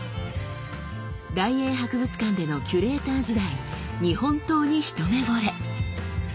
大英博物館でのキュレーター時代日本刀にひとめぼれ。